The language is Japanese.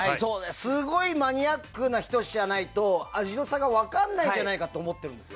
すごいマニアックな人同士じゃないと味の差が分からないんじゃないかと思ってるんです。